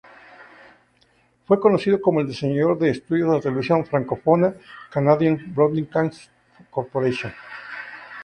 Fue conocido como el diseñador de estudio de la televisión francófona Canadian Broadcasting Corporation.